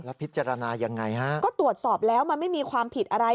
พิจารณายังไงฮะก็ตรวจสอบแล้วมันไม่มีความผิดอะไร